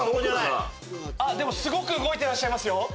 すごく動いてらっしゃいますよ。